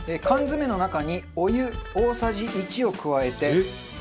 缶詰の中にお湯大さじ１を加えて。